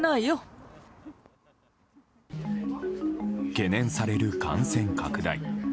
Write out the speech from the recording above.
懸念される感染拡大。